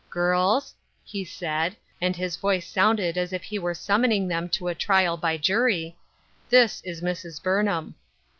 " Girls," he had said, and his voice sounded as if he were summoning them to a trial by jmy ;" this is Mrs. Burnham."